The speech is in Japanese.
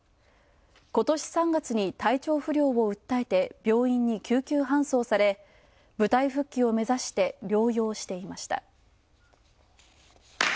今年３月に体調不良を訴えて病院に救急搬送され舞台復帰を目指して療養していました。